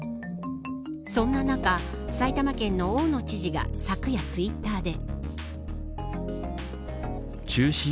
そんな中、埼玉県の大野知事が昨夜ツイッターで。